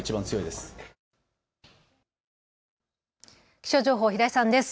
気象情報、平井さんです。